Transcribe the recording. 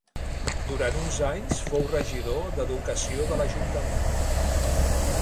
Durant uns anys fou regidor d'educació de l'Ajuntament.